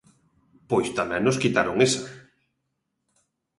Pois tamén nos quitaron esa.